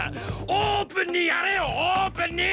オープンにやれよオープンに！